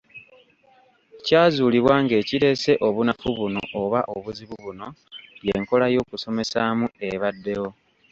Kyazuulibwa ng'ekireese obunafu buno oba obuzibu buno y’enkola y’okusomesaamu ebaddewo.